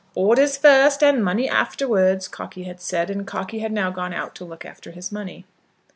"Orders first and money afterwards," Cockey had said, and Cockey had now gone out to look after his money.